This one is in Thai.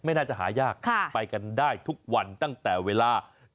ไม่น่าจะหายากไปกันได้ทุกวันตั้งแต่เวลา